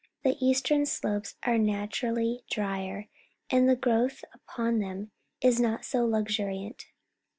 The eastern slopes are natu rally drier, and the growth upon them is not so luxuriant.